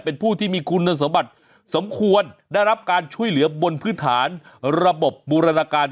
เป็นผู้ที่มีคุณสมบัติสมควรได้รับการช่วยเหลือบนพื้นฐานระบบบูรณาการ